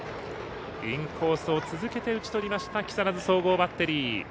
インコースを続けて打ち取りました木更津総合バッテリー。